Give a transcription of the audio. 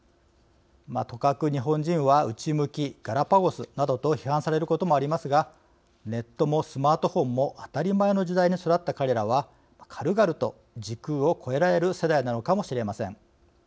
とかく日本人は内向きガラパゴスなどと批判されることもありますがネットもスマートフォンも当たり前の時代に育った彼らは軽々と時空を超えられる世代なのかも知れません。